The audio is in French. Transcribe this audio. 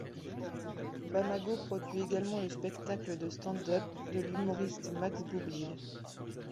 Bamago produit également le spectacle de stand-up de l’humoriste Max Boublil.